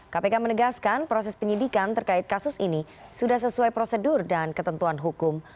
kpk menegaskan proses penyidikan terkait kasus ini sudah sesuai prosedur dan ketentuan hukum